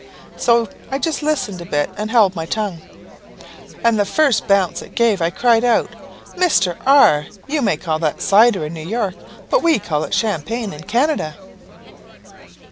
So I just listened a bit, and held my tongue; and the first bounce it gave, I cried out, 'Mr. R , you may call that cider in New York, but we call it champagne in Canada!'